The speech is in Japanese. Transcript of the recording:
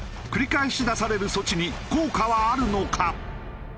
繰り返し出される措置に効果はあるのか？